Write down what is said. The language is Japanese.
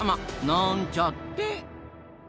なんちゃって！